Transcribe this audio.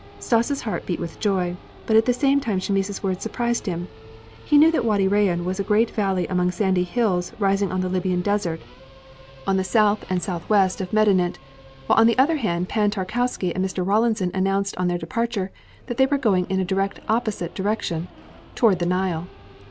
Stas' heart beat with joy, but at the same time Chamis' words surprised him. He knew that Wâdi Rayân was a great valley among sandy hills rising on the Libyan Desert on the south and southwest of Medinet, while on the other hand Pan Tarkowski and Mr. Rawlinson announced on their departure that they were going in a directly opposite direction, towards the Nile.